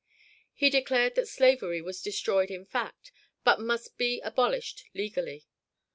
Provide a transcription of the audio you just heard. He declared that slavery was destroyed in fact, but must be abolished legally.